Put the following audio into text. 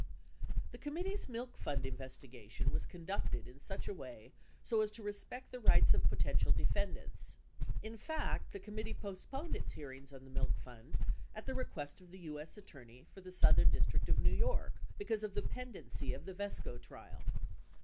The committee's milk fund investigation was conducted in such a way so as to respect the rights of potential defendants. In fact, the committee postponed its hearings on the milk fund at the request of the U.S. attorney for the Southern District of New York because of the pendency of the Yesco trial.